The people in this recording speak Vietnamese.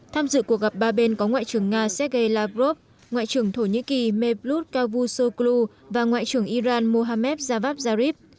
tham dự cuộc gặp ba bên có ngoại trưởng nga sergei lavrov ngoại trưởng thổ nhĩ kỳ mevlut kavusoklu và ngoại trưởng iran mohamed javad zarif